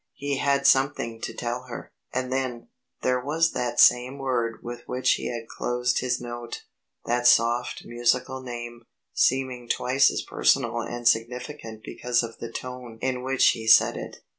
He had something to tell her, and then there was that same word with which he had closed his note that soft musical name, seeming twice as personal and significant because of the tone in which he said it.